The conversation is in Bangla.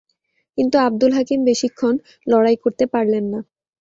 কিন্তু আবদুল হাকিম বেশিক্ষণ লড়াই করতে পারলেন না।